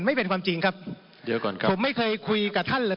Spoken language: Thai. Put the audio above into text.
ไม่เป็นความจริงครับเดี๋ยวก่อนครับผมไม่เคยคุยกับท่านเลย